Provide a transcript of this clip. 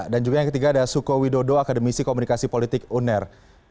dan juga yang ketiga ada sukowidodo akademisi komunikasi politik uner